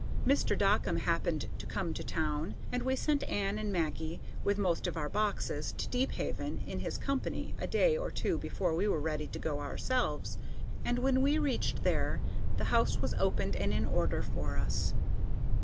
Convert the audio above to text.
Mr. Dockum happened to come to town, and we sent Ann and Maggie, with most of our boxes, to Deephaven in his company a day or two before we were ready to go ourselves, and when we reached there the house was opened and in order for us.